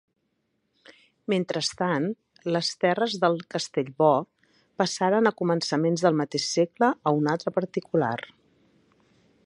Mentrestant, les terres dels Castellbò passaren a començaments del mateix segle a un altre particular.